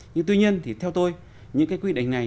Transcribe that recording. nhưng tuy nhiên thì theo tôi những cái quy định này